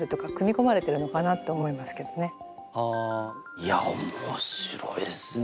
いや面白いですね。